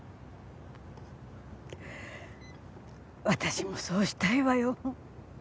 私もそうしたいわよ。